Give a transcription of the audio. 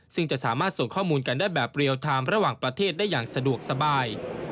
ซึ่งจะสามารถส่งข้อมูลกันได้แบบเรียลไทม์ระหว่างประเทศได้อย่างสะดวกสบาย